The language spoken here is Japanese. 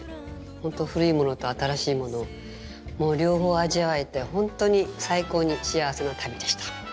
本当、古いものと新しいもの両方味わえて本当に最高に幸せな旅でした。